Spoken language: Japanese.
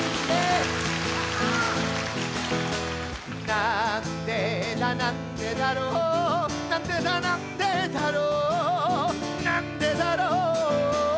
なんでだなんでだろうなんでだなんでだろうなんでだろう